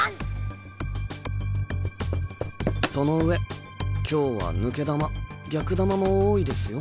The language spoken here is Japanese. その上今日は抜け球逆球も多いですよ。